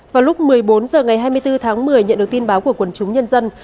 vào lúc một mươi bốn h ngày hai mươi bốn tháng một mươi nhận được tin báo của quần chúng nhân dân